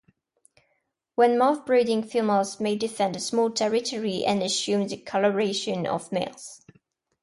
When mouthbrooding, females may defend a small territory and assume the colouration of males.